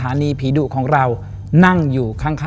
และในค่ำคืนวันนี้แขกรับเชิญที่มาเยี่ยมสักครั้งครับ